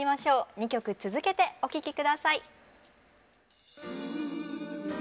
２曲続けてお聴き下さい。